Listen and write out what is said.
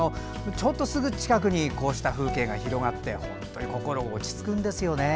ちょっとすぐ近くにこうした風景が広がって本当に心が落ち着くんですよね。